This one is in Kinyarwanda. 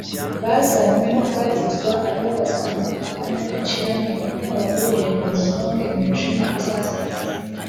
bazanywe no kubatizwa arababaza ati “Mwa bana b’incira mwe, ni nde wababuriye ngo muhunge umujinya uzatera?